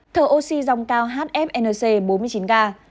thở oxy dòng cao hfnc bốn mươi chín ca